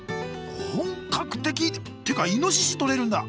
本格的！ってかイノシシ取れるんだ。